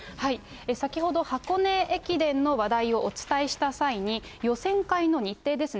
先ほど箱根駅伝の話題をお伝えした際に、予選会の日程ですね。